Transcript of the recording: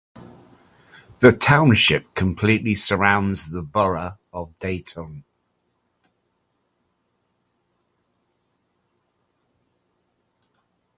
The township completely surrounds the borough of Dayton.